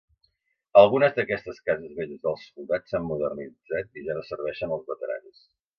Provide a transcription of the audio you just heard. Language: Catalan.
Algunes d'aquestes cases velles dels soldats s'han modernitzat i ja no serveixen els veterans.